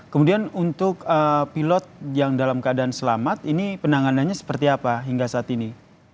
kemudian untuk pilot yang dalam keadaan selamat ini penanganannya seperti apa hingga saat ini